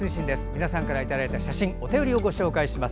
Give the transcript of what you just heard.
皆さんからいただいたお便りご紹介します。